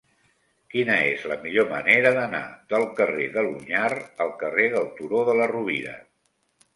Quina és la millor manera d'anar del carrer de l'Onyar al carrer del Turó de la Rovira?